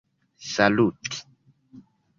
saluti